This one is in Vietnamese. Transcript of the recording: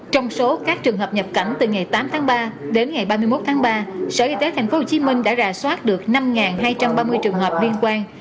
trong số các trường hợp nhập cảnh từ ngày tám tháng ba đến ngày ba mươi một tháng ba sở y tế tp hcm đã rà soát được năm hai trăm ba mươi trường hợp liên quan